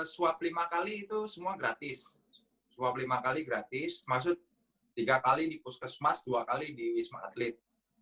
swab lima kali itu semua gratis swab lima kali gratis maksud tiga kali di puskesmas dua kali di wisma atlet